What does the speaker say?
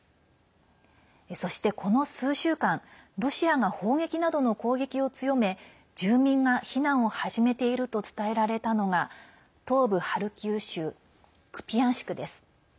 そして、この数週間ロシアが砲撃などの攻撃を強め住民が避難を始めていると伝えられたのが東部ハルキウ州クピヤンシクです。